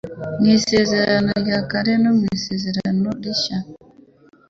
Mu Isezerano rya Kera no mu Isezerano Rishya,